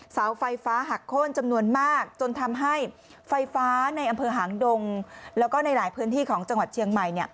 เสาไฟฟ้าหักโค้นจำนวนมากจนทำให้ไฟฟ้าในอำเภอหางดงแล้วก็ในหลายพื้นที่ของจังหวัดเชียงใหม่